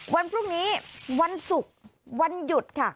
วันพรุ่งนี้วันศุกร์วันหยุดค่ะ